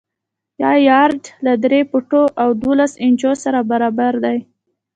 یو یارډ له درې فوټو او دولس انچو سره برابر دی.